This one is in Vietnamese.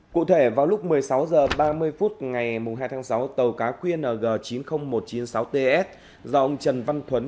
cụ thể vào lúc một mươi sáu h ba mươi phút ngày hai tháng sáu tàu cá qng chín mươi nghìn một trăm chín mươi sáu ts do ông trần văn thuấn